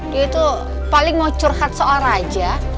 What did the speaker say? dia itu paling mau curhat soal raja